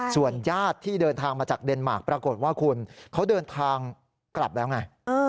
ส่วนญาติที่เดินทางมาจากเดนมาร์คปรากฏว่าคุณเขาเดินทางกลับแล้วไง